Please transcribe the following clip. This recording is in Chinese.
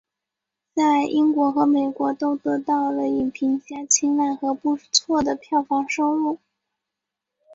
在英国和美国都得到了影评家青睐和不错的票房收入。